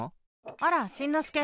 あらしんのすけ。